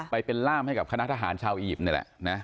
ไปเป็นล่ามให้กับคณะทหารชาวอียิปต์นี่แหละนะ